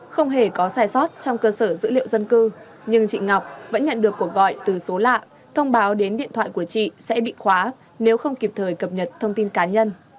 không hề có sai sót trong cơ sở dữ liệu dân cư nhưng chị ngọc vẫn nhận được cuộc gọi từ số lạ thông báo đến điện thoại của chị sẽ bị khóa nếu không kịp thời cập nhật thông tin cá nhân